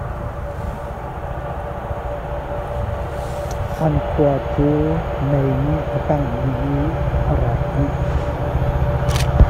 Na rian ah naa nuam maw?